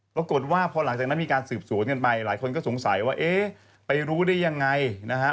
ปรากฏว่าพอหลังจากนั้นมีการสืบสวนกันไปหลายคนก็สงสัยว่าเอ๊ะไปรู้ได้ยังไงนะฮะ